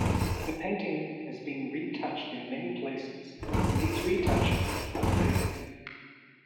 The painting has been retouched in many places, and these retouchings have faded.